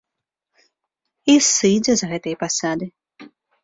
І сыдзе з гэтай пасады.